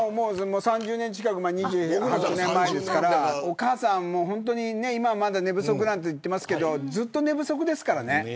３０年近く前ですからお母さん今、寝不足なんて言ってますけどずっと寝不足ですからね。